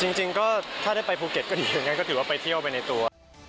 จริงก็ถ้าได้ไปภูเก็ตก็ดีอย่างนั้นก็ถือว่าไปเที่ยวไปในตัว